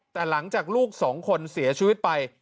แต่หลังจากลูกสองคนเสียชีวิตไป